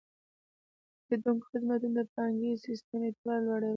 د پیرودونکو خدمتونه د بانکي سیستم اعتبار لوړوي.